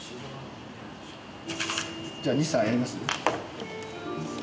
じゃあ西さんやります？